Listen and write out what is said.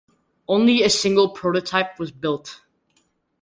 Only a single prototype was built.